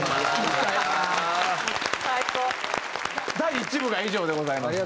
第１部が以上でございます。